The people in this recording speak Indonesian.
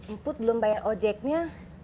mpud belum bayar ojeknya